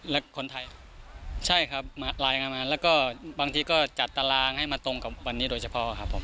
และคนไทยใช่ครับรายงานมาแล้วก็บางทีก็จัดตารางให้มาตรงกับวันนี้โดยเฉพาะครับผม